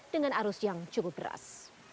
dengan arus yang cukup deras